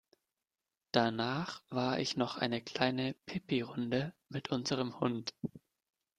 Danach war ich noch eine kleine Pipirunde mit unserem Hund.